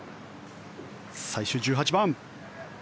最終１８番。